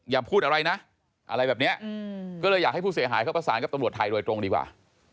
อย่าพูดอะไรนะอะไรแบบนี้ก็เลยอยากให้ผู้เสียหายเขาประสานกับตำรวจไทยโดยตรงดีกว่า